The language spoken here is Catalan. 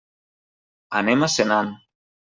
Anem a Senan.